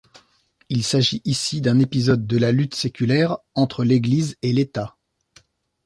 Il s'agit ici d'un épisode de la lutte séculaire entre l'Église et l'État.